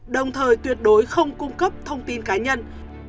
đồng thời tuyệt đối không cung cấp thông tin cá nhân